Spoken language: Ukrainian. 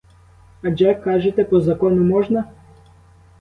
Адже, кажете, по закону можна?